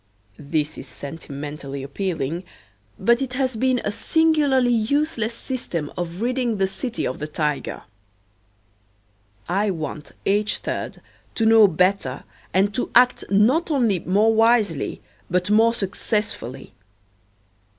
This is sentimentally appealing, but it has been a singularly useless system of ridding the city of the Tiger. I want H. 3d to know better and to act not only more wisely but more successfully.